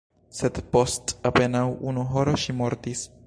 Sed post apenaŭ unu horo ŝi mortis.